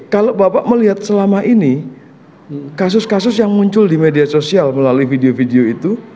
kalau bapak melihat selama ini kasus kasus yang muncul di media sosial melalui video video itu